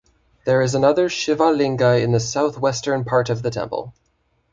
There is another Shiva linga in the south western part of the temple.